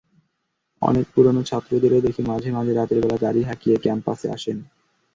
অনেক পুরোনো ছাত্রদেরও দেখি মাঝে মাঝে রাতের বেলা গাড়ি হাঁকিয়ে ক্যাম্পাসে আসেন।